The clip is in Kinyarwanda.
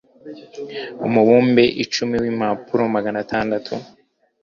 Umubumbe icumi wimpapuro magana atandatu